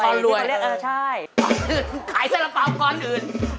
อ่ะกรรวยเหรอใช่ใช่